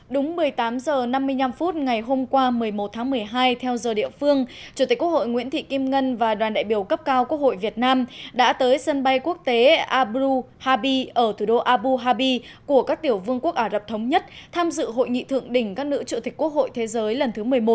đúng một mươi tám h năm mươi năm phút ngày hôm qua một mươi một tháng một mươi hai theo giờ địa phương chủ tịch quốc hội nguyễn thị kim ngân và đoàn đại biểu cấp cao quốc hội việt nam đã tới sân bay quốc tế abu habi ở thủ đô abuhabi của các tiểu vương quốc ả rập thống nhất tham dự hội nghị thượng đỉnh các nữ chủ tịch quốc hội thế giới lần thứ một mươi một